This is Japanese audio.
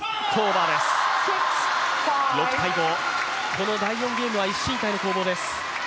この第４ゲームは一進一退の攻防です。